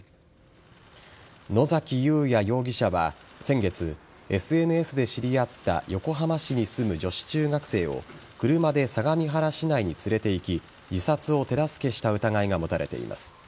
野崎祐也容疑者は先月、ＳＮＳで知り合った横浜市に住む女子中学生を車で相模原市内に連れて行き自殺を手助けした疑いが持たれています。